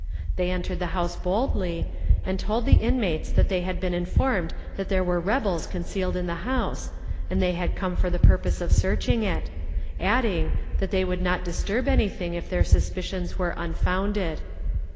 They entered the house boldly, and told the inmates that they had been informed that there were rebels concealed in the house, and they had come for the purpose of searching it; adding, that they would not disturb anything, if their suspicions were unfounded.